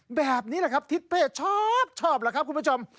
แบบนี้แหละครับทิศเป้ชอบชอบแหละครับคุณผู้ชม